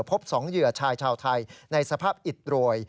พบ๒เหยื่อชายชาวไทยในสภาพอิดโรย